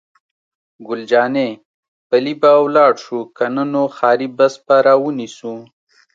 ګل جانې: پلي به ولاړ شو، که نه نو ښاري بس به را ونیسو.